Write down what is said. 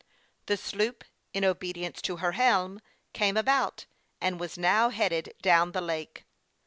The sloop, in obedience to her helm, came about, and was now headed down the lake.